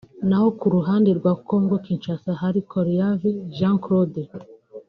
naho ku ruhande rwa Congo Kinshasa hari ColYav Jean Claude